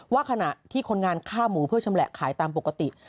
ขณะที่คนงานฆ่าหมูเพื่อชำแหละขายตามปกติ